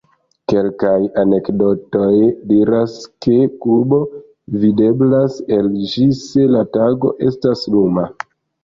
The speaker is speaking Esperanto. Kelkaj anekdotoj diras ke Kubo videblas el ĝi se la tago estas luma.